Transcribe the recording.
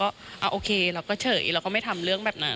ก็โอเคเราก็เฉยเราก็ไม่ทำเรื่องแบบนั้น